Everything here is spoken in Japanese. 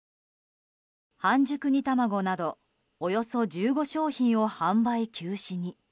半熟煮たまごなどおよそ１５商品を販売休止に。